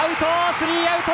スリーアウト！